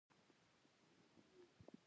• دقیقه د نوې لارې پیل دی.